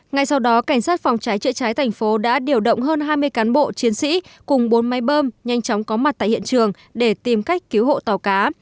ngay sau đó cảnh sát phòng cháy chữa cháy thành phố đã điều động hơn hai mươi cán bộ chiến sĩ cùng bốn máy bơm nhanh chóng có mặt tại hiện trường để tìm cách cứu hộ tàu cá